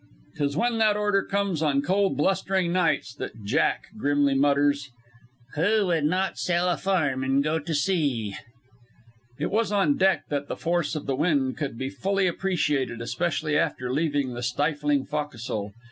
'Tis when that order comes on cold, blustering nights that "Jack" grimly mutters: "Who would not sell a farm and go to sea?" It was on deck that the force of the wind could be fully appreciated, especially after leaving the stifling fo'castle.